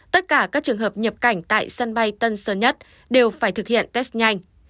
tất cả các trường hợp nhập cảnh tại sân bay tân sơn nhất đều phải thực hiện test nhanh